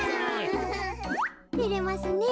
てれますねえ。